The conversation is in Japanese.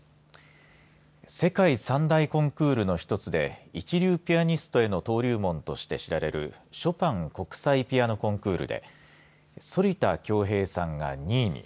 世界３大コンクールの１つで一流ピアニストへの登竜門として知られるショパン国際ピアノコンクールで反田恭平さんが２位に。